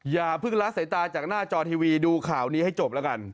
อย่าเพิ่งละสายตาจากหน้าจอทีวีดูข่าวนี้ให้จบแล้วกัน